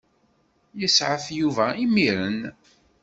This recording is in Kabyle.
Yesɛef Yuba imir-n.